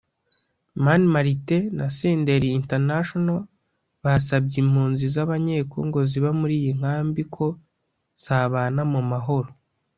Mani Martin na Senderi International basabye impunzi z’Abanyekongo ziba muri iyi nkambi ko zabana mu mahoro